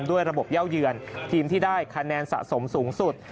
ด้วยระบบเย่าเยือนทีมที่ได้คะแนนสะสมสูงสุด